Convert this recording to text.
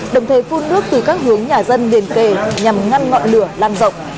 đồng thời phun nước từ các hướng nhà dân liền kề nhằm ngăn ngọn lửa lan rộng